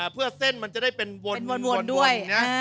เพื่อเส้นมันจะได้เป็นวนด้วยนะ